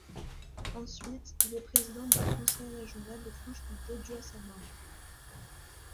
Ensuite, il est président du conseil régional de Franche-Comté du à sa mort.